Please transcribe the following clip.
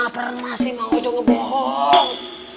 pernah sih mau jauh bohong